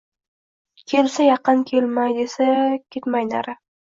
Kelsa — yaqin kelmay, ketsa — ketmay nari